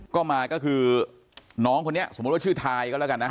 ก็มาก็คือน้องคนนี้สมมุติว่าชื่อทายก็แล้วกันนะ